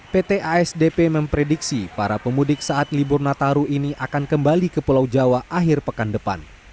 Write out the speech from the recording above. pt asdp memprediksi para pemudik saat libur nataru ini akan kembali ke pulau jawa akhir pekan depan